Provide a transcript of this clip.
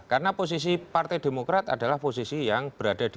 karena posisi partai demokrat adalah posisi yang berada di luar negara